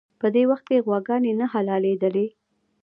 په دې وخت کې غواګانې نه حلالېدلې.